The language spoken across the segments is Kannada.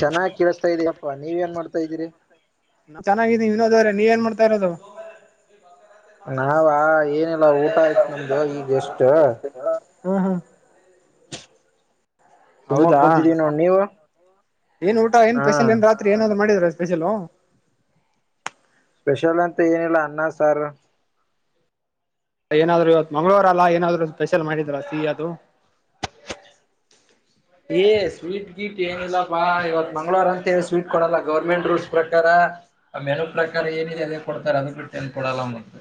ಚೆನ್ನಾಗ್ ಕೇಳಿಸ್ತಾ ಇದೀಯಪ್ಪಾ ನೀವೇನ್ ಮಾಡ್ತಾ ಇದ್ದೀರಿ ನ ಚೆನ್ನಾಗಿದ್ದಿ ಇನ್ನೋದವರೆ ನೀ ಏನ್ ಮಾಡ್ತಾ ಇರೋದು ನಾವ್ ಏನಿಲ್ಲ ಊಟ ಆಯ್ತ್ ನಮ್ದು ಈಗ್ ಎಷ್ಟ ಹ್ಮ್ ಹ್ಮ್ ಸುಮ್ಮ ಹೌದಾ ಕುಂತಿದೀವಿ ನೋಡ್ ನೀವು ಏನ್ ಊಟ ಏನ್ ಹಾ ಸ್ಪೆಷಲ್ ಏನ್ ರಾತ್ರಿ ಏನಾದ್ ಮಾಡಿದ್ರ ಬಸಲ ಸ್ಪೆಷಲ್ ಅಂತ ಏನಿಲ್ಲ ಅನ್ನ ಸಾರ್ ಏನಾದ್ರು ಇವತ್ ಮಂಗಳವಾರ ಅಲ್ಲಾ ಏನಾದ್ರು ಸ್ಪೆಷಲ್ ಮಾಡಿದ್ರ ಸಿಹ ಅದು ಏ ಸ್ವೀಟ್ ಗೀಟ್ ಏನಿಲ್ಲಪ್ಪಾ ಇವತ್ ಮಂಗಳವಾರ ಅಂತ ಸ್ವೀಟ್ ಕೊಡಲ್ಲ ಗೌರ್ಮೆಂಟ್ ರೂಲ್ಸ್ ಪ್ರಕಾರ ಆ ಮೆನು ಪ್ರಕಾರ ಏನಿದೆ ಅದ ಕೊಡ್ತಾರೆ ಅದು ಬಿಟ್ಟು ಏ ಕೊಡಲ್ಲ ಮ ಹ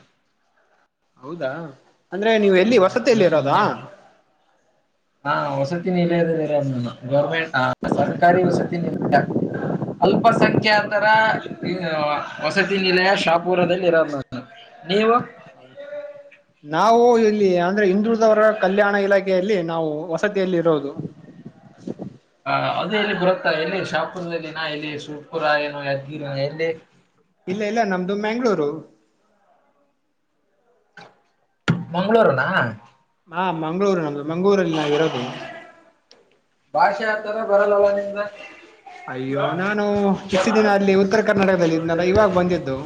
ಹೌದಾ ಅಂದ್ರೆ ನೀವು ಎಲ್ಲಿ ವಸತಿಯಲಿ ಇರೋದಾ ಹ್ಮ್ ವ ಇಲ್ಲರ ಗಮೆಂಟ್ ಆ ಸರ್ಕಾರಿ ವಸನ ಇಲ್ಲ ಅಲ್ಪಸಂಖ್ಯಾತರ ವಸತಿ ನಿಲಯ ಶಾಪುರದಲ್ಲಿರ ನೀವು ನಾವು ಇಲ್ಲಿ ಅಂದ್ರೆ ಹಂದುಳದವರ ಕಲ್ಯಾಣ ಇಲಾಖೆ ನಾವು ವಸತಿಯಲ್ಲಿ ಇರೋದು ಹ ಅದೇ ಎಲ್ಲಿ ಬರುತ್ತಾ ಎಲ್ಲಿ ಶಾಪುರದಲ್ಲಿನ ಎಲ್ಲಿ ಸುಪುರ ಏನು ಯದ್ಗಿ ಎಲ್ಲಿ ಇಲ್ಲ ಇಲ್ಲ ನಮ್ದು ಮ್ಯಾಂಗ್ಳೂರು ಮಂ್ಗಳೂರುನಾ ಹಾ ಮಂ್ಗಳೂರು ನಮ್ದು ಮಂಗ್ಗಳೂರಲ್ಲಿ ನಾವಿರೋದು ಬರಲ್ಲವ ನಿಮ್ದ ಅಯ್ಯೋ ನಾನು ಇಷ್ಟು ದಿನ ಅಲ್ಲಿ ಉತ್ತರ ಕರ್ನಾಟಕದಲ್ಲಿ ಇದ್ನಲ್ಲ ಇವಾಗ ಬಂದಿದ್ದು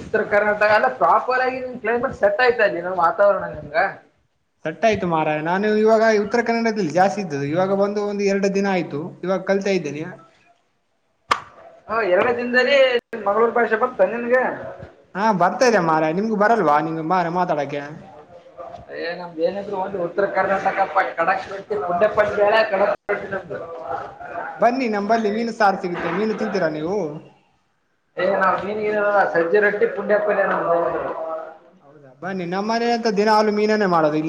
ಉತ್ತರ ಕರ್ನಾಟಕ ಎಲ್ಲ ಪ್ರಾಪರ್ ಆಗಿ ಕ್ಲೈಮೇಟ್ ಸೆಟ್ ಆಯ್ತಾ ಇಲ್ಲಿ ನ ವಾತಾವರಣ ನಮ ಸಟ್ಟ ಆಯ್ತು ಮಾರಾಯ ನಾನು ಇವಾಗ ಉತ್ತರ ಕನ್ನಡದಲ್ಲಿ ಜಾಸ್ತಿ ಇದ್ದ್ದು ಇವಾಗ ಒಂದು ಒಂದು ಎರಡು ದಿನ ಆಯ್ತು ಇವಾಗ ಕೇಳ್ತಾ ಇದ್ದೇನಯ ಹ ಎರಡೇ ದಿನದಲ್ಲಿ ಮಂಗಳೂರ್ ಭಾಷೆ ಬರ್ಂದನ್ಗೆ ಹಾ ಬರ್ತಾ ಇದೆ ಮಾರ ನಿಮ್ು ಬರಲ್ವಾ ನಿಮ್ ನಮ್ದ ಏನರು ಒಂದು ಉತ್ತರ ಕರ್ನಾಟಕ ಕಡಕ್ ರೊಟ್ಟಿ [unintelligible] ಕಡಕ್ ರೊಟ್ಟಿ ನಮ್ದು ಬನ್ನಿ ನಮ್ ಬರ್ಲಿ ಮೀನು ಸಾರು ಸಿಗುತ್ತೆ ಮೀನು ತಿಂತೀರಾ ನೀವು ಏ ನಾವ್ ಮೀನ್ಗೀನಲ್ಲ ಸಜ್ಜೆ ರೋಟ್ಟಿ ಪುಂಡ ಪಲೆ ನಾ ಹೋಗೋದು ಹೌದಾ ಬನ್ನಿ ನಮ್ಮನೆ ಅಂತ ದಿನ ಹಾಲು ಮೀನನೇ ಮಾಡೋದು ಇ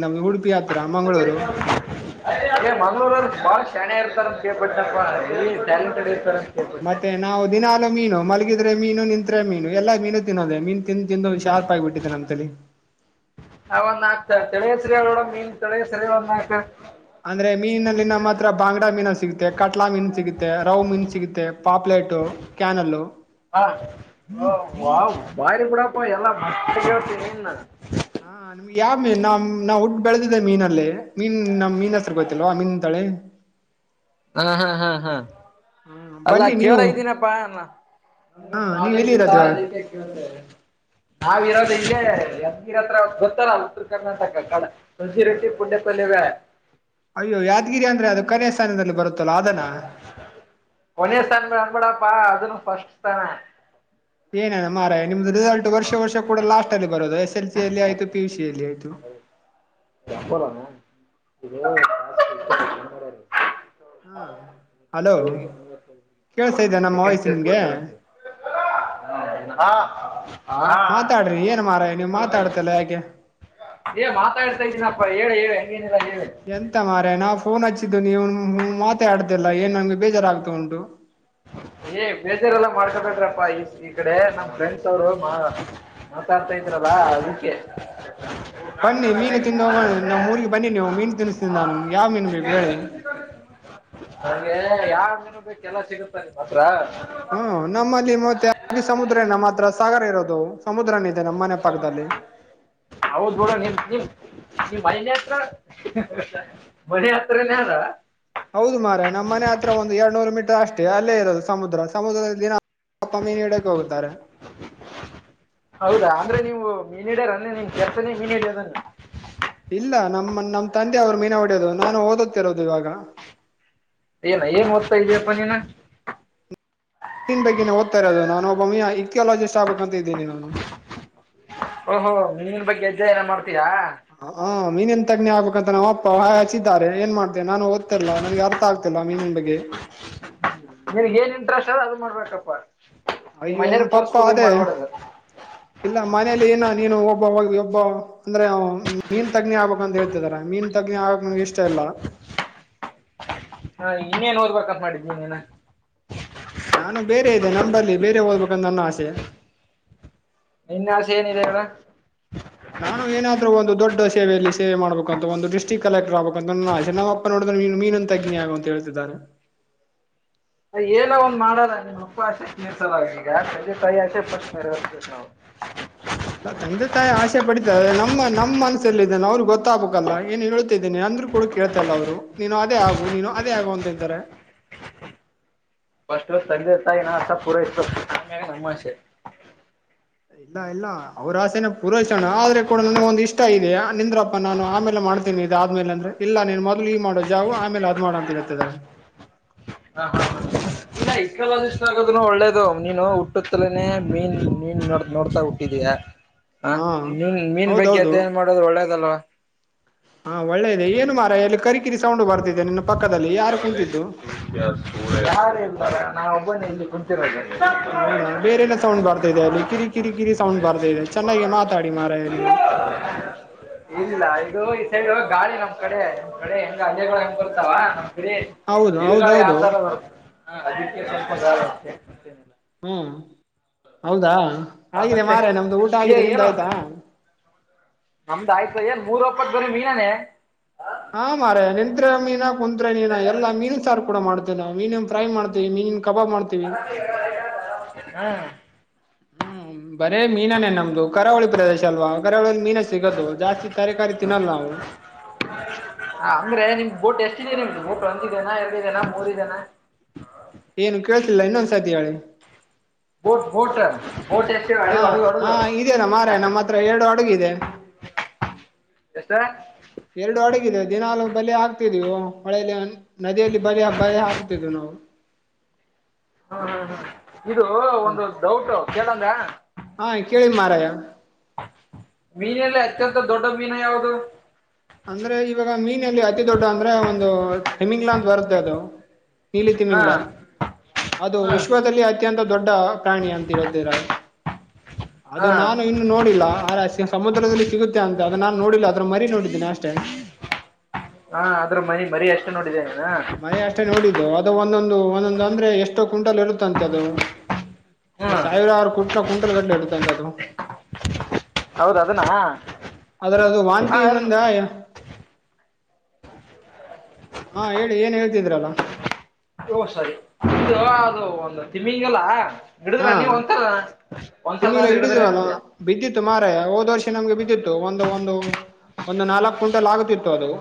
ಮಂಗಳೂರು ಬಾ ಚನ ಇರ್ತಾರೆ ಕೇಪಟ್ಟಪ್ಪ ಎಲ್ಲಿ ಟ್ಯಾಲೆಂಟ್ ಇರ್ತಾರೆ ಮತ್ತೆ ನಾವು ದಿನಲು ಮೀನು ಮಲಗಿದ್ರೆ ಮೀನು ನಿತ್ರೆ ಮೀನು ಎಲ್ಲಾ ಮೀನು ತಿನ್ನೋದೆ ಮೀನ್ ಹವ ನಾಕ್ತತ ಸತ್ರೀಯ ಮೀನ್ ತಡ ಸರಿಂದ ಅಂದ್ರೆ ಮೀನಿನಲ್ಲಿ ನಮ್ಮ ಹತ್ರ ಬಾಂಗಡಾ ಮೀನು ಸಿಗುತ್ತೆ ಕಟ್ಲಾ ಮೀನು ಸಿಗುತ್ತೆ ರೌ ಮೀನ್ ಸಿಗುತ್ತೆ ಮತ್ತ ಪಾಪ್ಲೆಟು ಕ್ಯಾನಲ್ ಹ ವ ಬಾರಿ ಬಿಡಪ್ಪ ಎಲ್ಲ ಮಟ್ಟಿಗೆತ ನಿನ್ನ ಹಾ ನಿಮಗೆ ಯಾವ ಮೀನ್ ನ್ ನಾವ್ ಹುಟ್ಟಿ ಬೆಳೆದಿದೆ ಮೀನಲ್ಲಿ ಮೀನ್ ನಮ್ ಮೀನೆಸ್ರು ಗೊತ್ತಿಲ್ವ ತಲೆ ಹಾ ಹಾ ಹಾ ಹಾ ಹ್ಮ ಅಲ್ಲಾ ಬನ್ನಿ ನೀವು ಕೇವರ ಇದ್ದೀನಪ್ಪಾ ಅನ್ನು ಹಾ ನಮಗಿಷ್ಟ ನೀವ್ ನಾಲೇಜ್ ಎಲ್ಲಿ ಇಲ್ಲ ಇರೋದು ಇವಾಗ ಅದಕ್ಕೆ ಕೇಳ್ದೆ ನಾವಿರ ಯಗಿರ ಹತ್ರ ಗೊತ್ತಲ್ಲ ಉತ್ತರ ಕರ್ನಾಟಕ ಕಡೆ ರೊಟ್ಟಿ ಪುಣ್ಯಪಲ್ಯವೇ ಅಯ್ಯೋ ಯಾದ್ಗಿರಿ ಅಂದ್ರೆ ಅದು ಕನ್ಯ ಸ್ಥಾನದಲ್ಲಿ ಬರುತ್ತಲ್ಲ ಅದನ ಬಡಪ್ಪಾ ಅದನ್ನು ಫಸ್ಟ್ ತಾನ ಏನ ನ ಮಾರ ನಿಮ್ದ ರಿಸಲ್ಟ್ ವರ್ಷ ವರ್ಷ ಕೂಡ ಲಾಸ್ಟ್ ಅಲ್ಲಿ ಬರೋದು ಎಸ್ ಎಲ್ಸಲ್ಲಿ ಆಯ್ತು ಪಿಯುಸಿ ಯಲ್ಲಿ ಆಯ್ತು ಅಪ್ಪಡಡ [unintelligible] ಒಬರಿಗೆವತ್ತ ಹಾ ಹಲೋ ಕೊ ಕೇಳ್ಸ ಇದ್ದ ನಮ್ಮ ಸೆಕೆಂಡ್ ವಾಯ್ಸ್ ಪ್ಲೇಸ್ ನಿಮ್ಗೆ ಕೊಡ್ತಾರೆ ಅಂತ ಹೇ ಹ್ಮ ಹಾ ಮಾತಾಡ್ರಿ ಏನ್ ಮಾರ ನೀವ್ ಮಾತಾಡ್ತಲ್ಲ ಯಾಕೆ ಏ ಮಾತಾಡ್ತಾ ಇದ್ದೀನಪ್ಪ ಹೇಳ ಹೇಳಿ ಹೆಂಗೇನಿಲ್ಲ ಹೇಳಿ ಎಂತ ಮಾರಾಯ ನಾವು ಫೋನ್ ಹಚ್ಚಿದ್ದು ನೀವ ಮಾತಾ ಆಡ್ತಾಲ್ಲ ಏನ್ ನಂಗೆ ಬೇಜಾರಾಗ್ತಾ ಉಂಟು ಹ ಏ ಬೇಜಾರ್ ಎಲ್ಲ ಮಾಡ್ಕೊಬೇಡ್ರಪ್ಪಾ ಈ ಕಡೆ ನಮ್ ಫ್ರೆಂಡ್ಸ್ ಅವ್ರು ಮಾತಾಡ್ತಾ ಇದ್ರ ಹಾ ಅದಕ್ಕೆ ಬನ್ನಿ ಮೀನು ತಿಂದು ಹೋಗೋಣ ನಮ್ ಊರಿಗೆ ಬನ್ನಿ ನೀವು ಮೀನು ತಿನ್ನಿಸ್ತೀನಿ ನಾನು ನಿಮಗೆ ಯಾವ್ ಮೀನು ಬೇಕು ಹೇಳಿ ನಂಗೆ ಯಾವ ಮೇನುೂ ಬೇಕ ಎಲ್ಲ ಸಿಗುತ್ತ ನಿಮ್ಮ ಹತ್ರ ಹ್ಮ್ ಸಾಗರ್ ಇರೋದು ಸಮುದ್ರನಿದೆ ನಮ್ಮ ಮನೆ ಪಕ್ಕದಲ್ಲಿ ಹೌದು ಬೂಡ ನಿ ನೀ ಈ ಮನತ್ರ ಮನೆ ಹತ್ರ ನದ ಹೌದು ಮಾರ ನಮ್ಮನೆ ಹತ್ರ ಒಂದು ಎರಡ್ ನೂರು ಮೀಟರ್ ಅಷ್ಟೇ ಅಲ್ಲೇ ಇರೋದು ಸಮುದ್ರ ಸಮುದ್ರದಲ್ಲಿ ಅಪ್ಪ ಮೀನು ಹಿಡಿಯಕ್ಕೆ ಹೋಗುತ್ತಾರೆ ಹ ಹೌದಾ ಅಂದ್ರೆ ನೀವು ಮೀನ್ ಇಡ್ಯಾರ ಅನ್ನೇ ನಿನ್ ಕೆಲ್ಸನೇ ಮೀನ್ ಇಡಿಯದನ್ನ ಇಲ್ಲ ನಮ್ಮ ನಮ ತಂದೆ ಅವರು ಮೀನು ಹೊಡ್ಯೋದು ನಾನು ಓದುತ್ತಿರೋದು ಇವಾಗ ಏನ ಏನ್ ಓದ್ತಾ ಇದಯಪ್ಪ ನೀನ ಬಗ್ಗೆನೆ ಹೋತಾಇರೋದು ಅದು ನಾನ ಒಬ್ಬಮ್ಮ ಇಥಿಯಾಲಜಿಸ್ಟ್ ಆಬೇಕ ಓಹೋ ಮೀನು ಬಗ್ಗೆ ಅಧ್ಯಯನ ಮಾಡ್ತಿಯಾ ಮೀನನ್ ತಗ್ಞಿ ಆಗ್ಬೇಕಂತ ನಮ್ಮ ಅಪ್ಪ ಹೊ ಹಚಿದ್ದಾರೆ ಏನ್ ಮಾಡ್ತೇನೆ ನಾನ ಓದ್ತಿಲ್ಲ ನನ್ಗೆ ಅರ್ಥ ಆಗ್ತಿಲ್ಲ ಮೀನಿನ ಬಗ್ಗೆ ನಿನ್ಗ್ ಏನ್ ಇಂಟ್ರೆಸ್ಟ್ ಹೇಳು ಅದು ಮಾಡ್ಬೇಕಪ್ಪ ನಿಮ್ ಅಯ್ಯೋ ಮನೆಯವ್ರ ತಪ್ಪ ಫೋರ್ಸ್ಫುಲ್ ಆಗಿ ಅದೇ ಮಾಡ್ಬಾರ್ದು ಇಲ್ಲ ಮನಲಿ ಏನ ನೀನು ಒಬ್ಬಬ್ ಒ ಅಂದ್ರೆ ಮೀನ್ ತೆಗ್ನಿ ಆಗ್ಬೇಕ್ ಅಂತ ಹೇಳ್ತಿದಾರ ಮೀನ್ ತಗ್ನಿ ಆಗಕ್ಕೆ ನನಗೆ ಇಷ್ಟ ಇಲ್ಲ ಹ ಇನ್ನೇನ್ ಓದಬೇಕ ಅಂತ ಮಾಡಿದ್ ನೀನ ನಾನು ಬೇರೆ ನಂಬಲ್ಲಿ ಬೇರೆ ಓದ್ಬೇಕಂತ ನನ್ನ ಆಸೆ ನಿನ್ನ ಆಸೆ ಏನಿದೆ ಹೇಳ ನಾನು ಏನಾದ್ರೂ ಒಂದು ದೊಡ್ಡ ಸೇವೆಯಲ್ಲಿ ಸೇ ಮಾಡಬೇಕಂತ ಒಂದು ಡಿಸ್ಟ್ರಿಕ್ ಕಲೆಕ್ಟರ್ ಆಬೇಕಂತ ನ ಆ ನಮ್ಮಪ್ಪ ನೋಡಿದ್ರ ನೀನು ಮೀನು ತಗ್ನಿಗುವಂತ ಹೇಳ ಇದಾರೆ [inaudible] ಏನ ಒಂದ್ ಮಾಡೋದ ನಿಮ್ ಉಪ್ಪು ಆಸೆ ನಿರ್ಸೋದ ಈಗೆ ತಾಯಿ ಆಸೆ ಪಟ್ಟ ಮವು ಇಲ್ಲ ತಂದೆ ತಾಯಿ ಆಸೆ ಪಡಿತ ನಮ್ಮ ನಮ್ಮ ಮನಸ್ಸಲ್ಲ ಇದ ಅವ್ರಿಗೆ ಗೊತ್ತಾಗಬೇಕಲ್ಲ ಏನ್ ಹೇಳ ಇದೇ ಅಂದ್ರು ಕೂಡ ಕೇಳ್ತಲ್ಲ ಅವರು ನೀನು ಅದೇ ಆಗು ನೀನು ಅದೇ ಆಗು ಅಂತೇತಾರೆ [inaudible] ಫಸ್ಟ್ ತಂದೆ ತಾಯಿನ ಆಸೆ ಪೂರೈಸಬೇಕು ಇತ್ತು ತಮಾಷೆ ಇಲ್ಲ ಇಲ್ಲ ಅವ್ರ ಆಸೆನ ಪುರಷಣ ಆದ್ರೆ ಕೂಡ ನನಗ ಒಂದ್ ಇಷ್ಟ ಇದೆ ನಿಂದ್ರಪ್ಪ ನಾನು ಆಮೇಲೆ ಮಾಡ ಮಾಡ್ತೀನಿ ಇದ ಆದ್ಮೇಲೆ ಅಂದ್ರೆ ಇಲ್ಲ ನೀನ್ ಮೊದ್ಲು ಈ ಮಾಡೋ ಜಾಾವವು ಆಮೇಲೆ ಅದ್ ಮಾಡ ಅಂತ ಹೇಳ್ತಿದರೆ ಹಾ ಇಲ್ಲ ಇಕಾಲಿಸ ಆಗೋದ ಒಳ್ಳೇದು ನೀನು ಹಟ್ಟುತ್ತಲೇನೆ ಮೀನ್ ಮೀನ್ ನೋ ನೋಡ್ತಾ ಹುಟ್ಟಿದಯಾ ಹ ಹಾ ಮೀನ್ ಮೀನ್ ಬಗ್ಗೆ ಹೌದೌದು ಅದ ಏನ್ ಮಾಡೋದು ಒಳ್ಳೇದಲ್ವಾ ಹಾ ಒಳ್ಳೆದೆ ಏನು ಮಾರ ಎಲ್ಲಿ ಕರಿಕಿರಿ ಸೌಂಡ್ ಬರ್ತಿದ್ದಿದೆ ನಿನ್ನ ಪಕ್ಕದಲ್ಲಿ ಯಾರು ಕುಂತಿದು ಯಾರ ಎಾರ ನಾ ಒಬ್ಬನೇ ಇಲ್ಲಿ ಕುಂತಿರೆ ಹೌದಾ ಬೇರೆೇನ ಸೌಂಡ್ ಬರ್ತದೆ ಅಲ್ಲಿ ಕಿರಿ ಕಿರಿ ಕಿರಿ ಸೌಂಡ್ ಬರ್ತಾ ಇದೆ ಚೆನ್ನಾಗಿ ಮಾತಾಡಿ ಮಾರ ನೀವು ಹ್ಮ ಇಡು ಈ ಸೈಡ್ ಗಳಿ ನಮ್ ಕಡೆ ನಿಮ್ ಕಡೆ ಹೆಂಗ ಅಜಗಳು ಹೆಂಗ್ರ್ತಾವ ನಮ್ ಹೌದು ಬಿರುಗಾಳಿ ಆ ಹೌದೌದು ತರ ಬರುತ್ತದೆ ಹ ಅದಕ್ಕೆ ಸ್ವಲ್ಪ ಹ್ಮ ಹೌದಾ ಆ, ಆಗಿದೆ ಮತ್ತೆ ಮಾರ ನಮ್ದು ಊಟ ಏ ಆಗಿದೆ ನಿಮ್ದು ಏನು ಆಯ್ತಾ ಮೂರು ಒಪ್ಪತ್ ಬರ ಮೀನಾನೆ ಹಾ ಮಾರ ನಿಂತ್ರೆ ಮೀನಾ ಕುಂತ್ರೆ ಮೀನ ಎಲ್ಲಾ ಮೀನು ಸಾರು ಕೂಡ ಮಾಡ್ತೇವೆ ನಾವು ಮೀನನ್ ಫ್ರೈ ಮಾಡ್ತೀವಿ ಮೀನಿನ ಕಬಾಬ್ ಮಾಡ್ತೀವಿ ಹ್ಮ್ ಹ್ಮ್ ಬರೇ ಮೀನಾನೇ ನಮ್ದು ಕರಾವಳಿ ಪ್ರದೇಶ ಅಲ್ವಾ ಕರಾವಳಿಯಲ್ಲಿ ಮೀನು ಸಿಗೋದು ಜಾಸ್ತಿ ತರಕಾರಿ ತಿನ್ನಲ್ಲ ನಾವು ಹ ಅಂದ್ರೆ ನಿಮ್ ಬೋಟ್ ಎಷ್ಟಿದೆ ನಿಮ್ದು ಬೋಟ್ ಒಂದ ಜನ ಎರಡು ಜನ ಮೂರು ಜನ ಏನು ಕೇಳ್ತಿಲ್ಲ ಇನ್ನೊಂದ್ಸತಿ ಹೇಳಳಿ ಬೋಟ್ ಬೋಟ್ ಬೋಟ್ ಹಾ ಹ ಹಾ ಇದೆಯಲ್ಲ ಮಾರಾಯ ಹ ಹ ನಮ್ಮ ಹತ್ರ ಎರಡು ಹಡಗು ಇದೆ ಎಷ್ಟ ಎರಡು ಅಡಗಿದೆ ದಿನಾಲ್ ಬಲೆ ಹಾಕ್ತಿದ್ದೀವು ಮಳೆಯಲ್ಲಿ ನದಿಯಲ್ಲಿ ಬರಿ ಬಳ ಆಗುತ್ತಿದ್ದು ನಾವು ಹ್ಮ್ ಹ್ಮ ಹ ಇದು ಹ್ಮ್ ಒಂದು ಡೌಟ್ ಕೇಳಂದ ಹಾ ಕೇಳಿ ಮಾರಾಯ ಮೀನಲ್ಲ ಅತ್ಯಂತ ದೊಡ್ಡ ಮೀನು ಯಾವುದು ಅಂದ್ರೆ ಇವಾಗ ಮೀನಲ್ಲಿ ಅತಿ ದೊಡ್ಡ ಅಂದ್ರೆ ಒಂದು ತಿಮಿಂಗಲ ಅಂತ ಬರುತ್ತೆ ಅದು ನಿಲ ಹಾ ತಿಮಿಂಗಲ ಅದು ಹ ವಿಶ್ವದಲ್ಲಿ ಅತ್ಯಂತ ದೊಡ್ಡ ಪ್ರಾಣಿ ಅಂತ ಹೇಳ್ತಿದ್ದಾರೆ ಅದು ನಾನು ಹಾ ಇನ್ನು ನೋಡಿಲ್ಲ ಅ ಸಮುದ್ರದಲ್ಲಿ ಸಿಗುತ್ತೆ ಅಂತ ಅದು ನಾನು ನೋಡಿಲ್ಲ ಅದ್ರ ಮರಿ ನೋಡಿ ಅಷ್ಟೇ ಹಾ ಆದ್ರೂ ಮನ ಮರಿ ಎಷ್ಟು ನೋಡಿದೆ ಮರಿ ಅಷ್ಟೇ ನೋಡಿದ್ದು ಅದು ಒಂದೊಂದು ಒಂದೊಂದು ಅಂದ್ರೆ ಎಷ್ಟೋ ಕ್ವಿಂಟಲ್ ಇರುತ್ತಂತೆ ಅದು ಹ್ಮ್ ಸಾವಿರಾರ ಕುಂಟ್ಲ ಕುಂಟಲ್ ಗಟ್ಲೆ ಇರುತ್ತೆಂತ ಅದು ಹೌದ ಅದನ್ನ ಅದ್ರ ಅದು ವಾಂತಿ ಇಂದ ಹಾ ಹೇಳಿ ಏನ್ ಹೇಳ್ತಿದ್ರಲ್ಲ ಓ ಸಾರಿ ಇದು ಅದು ಒಂದು ತಿಮಿಗಿಲ್ಲ ಹಾ ತಿಮ್ಮಿಗಿಲ್ಲ ಆದ್ರೂ ಹಿಡಿದ್ರ ಹಿಡಿದವ ಏನಂದೆ ಬಿದ್ದಿತ್ತು ಮಾರ ಹೋದ್ ವರ್ಷ ನಮ್ಗೆ ಬಿದ್ದಿತ್ತು ಒಂದು ಒಂದು ಒಂದು ನಾಲ್ಕ್ ಕ್ವಿಂಟಲ್ ಆಗುತ್ತತ್ತು ಅದು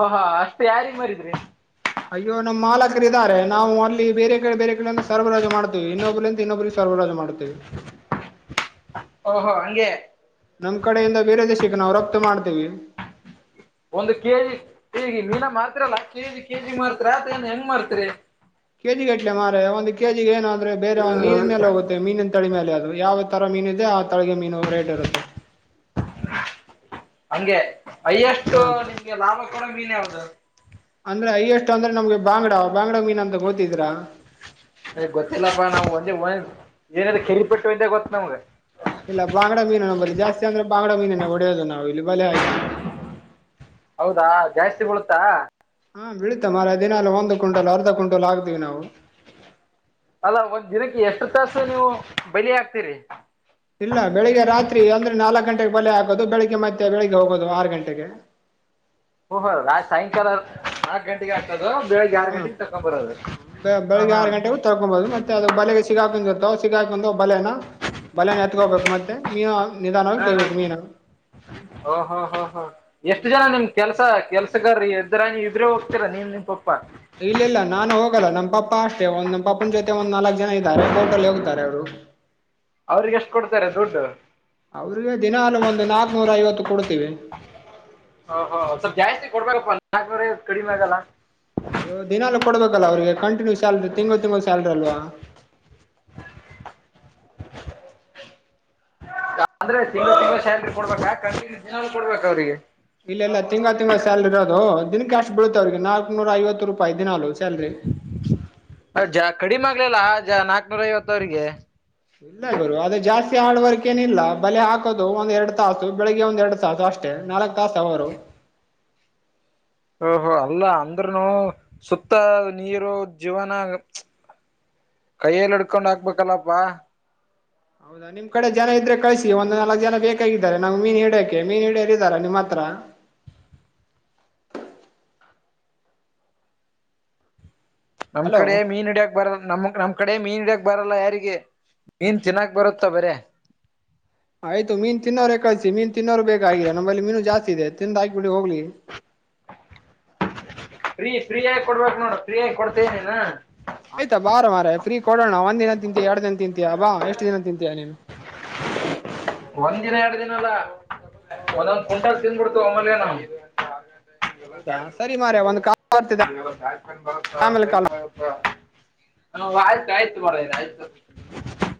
ಓಹಾ ಅಷ್ಟ ಯಾರಗ್ ಮರಿದ್ರಿ ಅಯ್ಯೋ ನಮ್ಮ್ ಮಾಲಕರ ಇದಿದ್ದಾರೆ ನಾವುಲ್ಲಿೇರೆ ಕಡೆ ಬೇರೆ ಕಡೆೆಯಿಂದ ಸರಬರಾಜ ಮಾಡ್ತೀವಿ ಇನ್ನೊಬ್ಬರಿಂದ ಇನ್ನೊಬ್ಬರು ಸರ್ವರಾಜ ಕ್ಲೋಸ್ ಮಾಡ್ತೇವೆ [inaudible] ಓಹೋ ಹಂಗೆ ನಮ್ ಕಡೆಯಿಂದ ಬೇರೆ ದೇಶ ಚಕ್ಕ ನಾವು ರಫತ ಮಾಡ್ತೇವಿ ಒಂದು ಕೆಜಿ ಈಗ ಮೀನ ಮಾಡ್ತಿರಲ್ಲ ಕೆಜಿ ಕೆಜಿ ಮ್ತರಿ ಆತ ಏನ್ ಹೆಂಗ್ ಮಾಡ್ತರಿ ಕೆ ಜಿ ಗಟ್ಲೆ ಮಾರೆ ಒಂದು ಕೆಿಿಗೆ ಏನ ಅಂದ್ರೆ ಬೇರೆ ಒ ಮೀನಿನ ಮೇಲೆ ಹೋಗುತ್ತೆ ಮೀಿನ ತಳ ಮೇಲೆ ಅದು ಯಾವ ತರ ಮೀನು ಇದೆ ಆ ತರಗೆ ಮೀನು ರೇಟ್ ಇರುತ್ತೆ ಅಯ್ಯಷ್ಟು ಹ ನಿಮ್ಗೆ ಲಾಭ ಕೊಡೋ ಮೀನ್ ಯಾವ್ದ ಅಂದ್ರೆ ಅಯ್ಯಷ್ಟು ಅಂದ್ರ ನಮಗೆ ಬಂಗ್ಡ ಅ ಗೊತ್ತಿಲ್ಲಪ್ಪ ನಾವು ಒಂದ ಒ ಏನಾದ ಕೇಳರಿ ಪಪಟ್ಟು ಇದ್ದೆ ಗೊತ್ತು ನಮ್ಗೆ ಇಲ್ಲ ಬಾಂಗಾ ಮೀನ ಬರಿ ಜಾಸ್ತಿ ಅಂದ್ರೆ ಬಾಂಗಾ ಮೀನೇ ಹೊಡೆಯದು ನಾವು ಇಲ್ಲಿ ಬೆಲೆ ಹಾಕಿ ಹೌದಾ ಜಾಸ್ತಿ ಬಳುತ್ತಾ ಹಾಂಳೀತ ಮೆ ದಿನಾಲ್ಲಿ ಒಂದು ಕ್ಂಟ ಅರ್ಧ ಕಂಟಲ್ ಆಗ್ತೀವಿ ನಾವು ಅಲ್ಲ ಒಂದ್ ದಿನಕ್ಕೆ ಎಷ್ಟು ತಾಸು ನೀವು ಬಲಿ ಹಾಕ್ತೀರಿ ಇಲ್ಲ ಬೆಳಿಗ್ಗೆ ರಾತ್ರಿ ಅಂದ್ರೆ ನಾಲ್ಕ ಗಂಟೆ ಬಲೆ ಆಗೋದು ಬೆಳಗ್ಗೆ ಮತ್ತೆ ಬೆಳಿಗ್ಗೆ ಹೋಗೋದು ಆರು ಗಂಟೆಗೆ ಹ ಹೊ ರತ್ ಸಾಯಂಕಾಲ ನಾಲ್ಕು ಗಂಟೆಗೆ ಆಗ್ತದೆ ಆರ ಗಟ ತಕೊಂಬರ್ ಹ್ಮ ಬೆಳಗ್ ಆರು ಗಂಟೆಗೂ ತರ್ಕೊಬಹುದು ಮತ್ತೆ ಅದು ಬಲೆಗೆ ಸಿಗಾಕಂದಿರ್ತಾವ ಸಿಗಾಕಂದ ಬಲೆನ ಬಲೆನ್ ಎತ್ಕೋಗಬೇಕು ಮತ್ತೆ ಮ ಹಾ ಹ್ಮ ಹ ಹಾ ಹ ಹಾ ಎಷ್ಟು ಹ್ಞೂ ಜನ ನಿಮ್ ಕೆಲ್ಸ ಕೆಲ್ಸ ಗ ಇದ್ದ್ರ ನೀ ಇದ್ರೆ ಹೋಗ್ತೀರಾ ನೀಮ್ ನಿಮ್ ಪಪ್ಪಾ ಇಲ್ಲ ಇಲ್ಲ ನಾನು ಹೋಗದ ನಮ್ ಪಪ್ಪಾ ಅಷ್ಟೇ ಒಂದ್ ನಮ್ಮ ಪಾಪ್ಪನ ಜೊತೆ ಒಂದ್ ನಲ್ಕ್ ಜನ ಇದಾರೆ ಬೋಟ್ ಅಲ್ಲಿ ಹೋಗ್ತಾರೆ ಅವರು ಅವ್ರಿಗೆ ಎಷ್ಟು ಕೊಡ್ತಾರೆ ದುಡ್ಡು ಅವ್ರಿಗೆ ದಿನಾಲ ಒಂದು ನಾಕ್ನೂರ ಐವತ್ತು ಕೊಡ್ತೀವಿ ಓ ಹೋ ಸ್ವಲ್ಪ ಜಾಸ್ತಿ ಕೊಡ್ಬೇಕಪ್ಪ ನಾ ಕಡಿಮೆ ಆಗಲ್ಲ ಅಯ್ಯೋ ದಿನಾಲ ಕೊಡ್ಬೇಕಲ್ಲ ಅವ್ರಿಗೆ ಕಂಟಿನ್ಯೂ ಸ್ಯಾಲ್ರಿ ತಿಂಗಂಳ ತಿಂಳ ಸ್ಯಾಲ್ರಿ ಅಲ್ವಾ [inaudible] ಅಂದ್ರೆ ತಿಂಗ್ಗಳು ತಿಂಗ್ಳ ಸ್ಯಾಲ್ರಿ ಕೊಡ್ಬೇಕಾ ಕಂಟಿನ್ಯೂ ದಿನಾನೂ ಕೊಡ್ಬೇಕ ಅವ್ರಿಗೆ ಇಲ್ಲೆಲ್ಲ ತಿಂಗ ತಿಂಗ್ಳ ಸ್ಯಾಲರಿ ಇರೋದು ದಿನ ಕ್ಯಾಶ್ ಬೀಳುತ್ತ ಅವ್ರಿಗೆ ನಾಲ್ಕ್ ನೂರ ಐವತ್ತು ರೂಪಾಯಿ ದಿನಾಲು ಸಾಲರಿ ಜ ಕಡಿಮೆ ಆಗ್ಲಿಲ್ಲ ನಾಕ್ನೂರ ಐವತ್ತವರಿಗೆ ಇಲ್ಲ ಗುರು ಅದು ಜಾಸ್ತಿ ಆಡ್ವರ್ಕೇನಿಲ್ಲ ಬಲೆ ಹಾಕೋದು ಒಂದ್ ಎರಡ್ ತಾಸು ಬೆಳಿಗ್ ಒಂದೆರಡ್ ತಾಸು ಅಷ್ಟೆ ನಾಲ್ಕ್ ತಾಸ ಅವ ಅವರು ಹೋ ಅಲ್ಲ ಅಂದ್ರನು ಸುತ್ತ ನೀರು ಜೀವನ ಕೈಯಲ್ಲಿ ಹಡ್ಕೊಂಡ್ ಹಾಕ್ಬೇಕಲ್ಲಪ್ಪಾ ಹೌದಾ ನಿಮ್ ಕಡೆ ಜನ ಇದ್ರೆ ಕಳ್ಿಸಿ ಒಂದು ನಾಕಕ್ ಜನ ಬೇಕಾಗಿದ್ದಾರೆ ನಾ್ ಮೀನ್ ಹಿಡ್ಯಕೆ ಮೀನ್ ಹಿಡಿಯರ್ ಇದಾರ ನಿಮ್ಮ ಹತ್ರ [inaudible] ನಮ್ ಹಲೋ ಕಡೆ ಮೀನ್ ಹಿಡಿಯಕ್ ಬರ ನಮ ನಮ ಕಡೆ ಮೀನ್ ಇಡಕ್ ಬರಲ್ಲ ಯಾರಿಗೆ ಮೀನ್ ಚನ್ನಕ್ ಬರುತ್ತ ಬರ ಆಯ್ತುೀನ್ ತಿನ್ನೋೇ ಕಳಸಿಸಿ ಮೀನ್ ತಿನ್ನೋ ಬೇಕಾಗಿರ ನಮ್ಮಲ್ಲಿನು ಜಾಸ್ ಇದೆ ತಿಿಂದ ಹಾಕಬಿಡಿ ಹೋಗ್ಲಿ ಫ್ರೀ ಫ್ರೀಯಾಗಿ ಕೊಡ್ಬೇಕಕ್ ನೋಡ ಫ್ರೀಯಾಗಿಿ ಕೊಡ್ತೇನನಾ ಆಯ್ತಾ ಬಾರ ಮಾರ ಫ್ರೀ ಕೊಡೋಣ ಒಂದ್ ದಿನ ತಿಂತೀಾ ಎರಡ್ ದಿನ ತಿಂತೀಯಾ ಬಾ ಎಷ್ಟು ದಿನ ತಿಂತಯಾ ನೀನು [inaudible] ಒಂದ್ ದಿನ ಎರಡು ದಿನ ಒಂದೊಂದ್ ಕುಂಟ ತಿದಬಿಡ್ತ್ ಆಮೇಲೆ ನಾವು [inaudible] ಹೌದಾ ಸರಿ ಮಾರಾಯ ಒಂದು ಕಾಲ್ ಬರ್ತಿದೆ ಆಮೇಲೆ ಕಾಲ್ ಹ ಆಯ್ತು ಆಯ್ತು ಬರ ಆಯ್ತು